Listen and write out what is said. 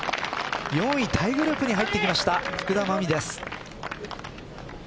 ４位タイグループに入ってきました福田真未です。